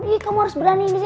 iya kamu harus berani